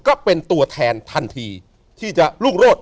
ก็เป็นตัวแทนทันทีที่จะรุ่งโรด